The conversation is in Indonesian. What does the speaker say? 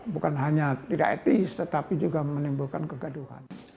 bukan hanya tidak etis tetapi juga menimbulkan kegaduhan